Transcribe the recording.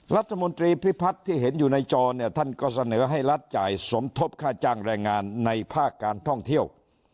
รัฐมนตรีพิพัฒน์ที่เห็นอยู่ในจอเนี่ยท่านก็เสนอให้รัฐจ่ายสมทบค่าจ้างแรงงานในภาคการท่องเที่ยว